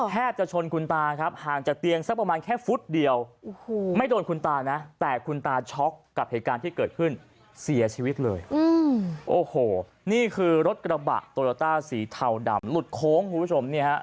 แทบจะชนคุณตาครับห